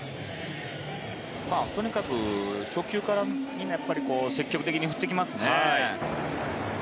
とにかく初球からみんな積極的に振ってきますね。